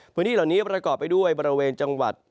พื้นที่เหล่านี้ประกอบไปด้วยบริเวณจังหวัด